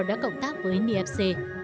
đã cộng tác với nfc